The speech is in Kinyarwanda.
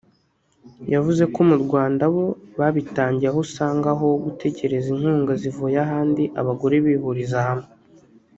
yavuze ko mu Rwanda bo babitangiye aho usanga aho gutegereza inkunga zivuye ahandi abagore bihuriza hamwe